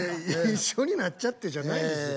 一緒になっちゃってじゃないですよ。